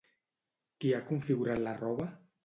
Qui ha configurat la roba?